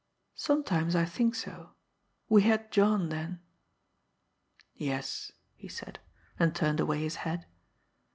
"Sometimes I think so. We had John then." "Yes," he said, and turned away his head.